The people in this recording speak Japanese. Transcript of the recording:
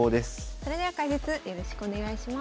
それでは解説よろしくお願いします。